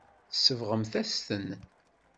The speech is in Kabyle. Tsebɣemt-as-ten.